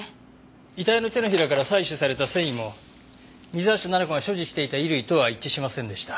遺体の手のひらから採取された繊維も水橋奈々子が所持していた衣類とは一致しませんでした。